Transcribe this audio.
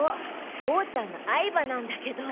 父ちゃんの愛馬なんだけど。